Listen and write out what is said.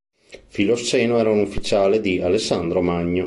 Filosseno era un ufficiale di Alessandro Magno.